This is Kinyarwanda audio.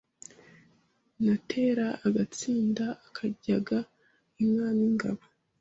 Natera agatsinda akanyaga inka n’ingabo